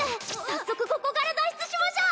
早速ここから脱出しましょう！